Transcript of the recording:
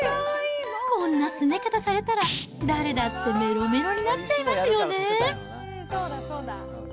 こんなすね方されたら、誰だってめろめろになっちゃいますよね。